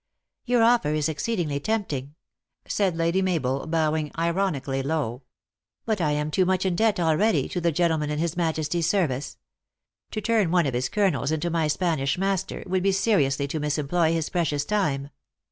"Your offer is exceedingly tempting," said Lady Mabel, bowing ironically low. " But I am too much in debt already to the gentlemen in his majesty s ser vice. To turn one of his colonels into my Spanish master would be seriously to misemploy his precious time.